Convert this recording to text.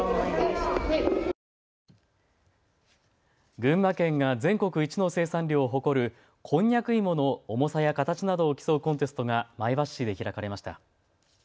群馬県が全国一の生産量を誇るこんにゃく芋の重さや形などを競うコンテストが前橋市で開かれました。